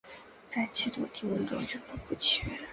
在七度的低温中去瀑布祈愿